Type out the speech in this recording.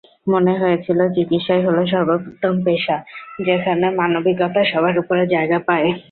মনে হয়েছিল চিকিৎসাই হলো সর্বোত্তম পেশা, যেখানে মানবিকতা সবার ওপরে জায়গা পায়।